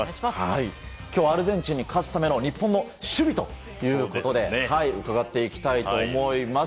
今日はアルゼンチンに勝つための日本の守備ということで伺っていきたいと思います。